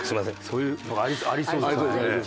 そういうのありそうですね。